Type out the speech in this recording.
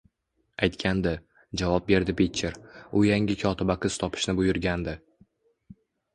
Aytgandi, javob berdi Pitcher,u yangi kotiba qiz topishni buyurgandi